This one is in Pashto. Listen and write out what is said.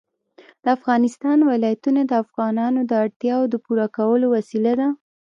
د افغانستان ولايتونه د افغانانو د اړتیاوو د پوره کولو وسیله ده.